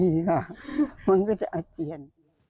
นี่ค่ะมันก็จะอาเจียน